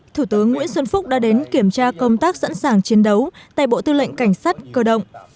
thủ tướng nguyễn xuân phúc đã đến kiểm tra công tác sẵn sàng chiến đấu tại bộ tư lệnh cảnh sát cơ động